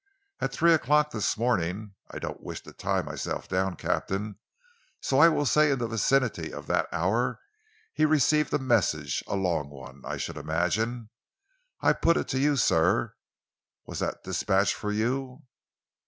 At three o'clock this morning I don't wish to tie myself down, Captain, so I will say in the vicinity of that hour he received a message a long one, I should imagine. I put it to you, sir was that dispatch for you?"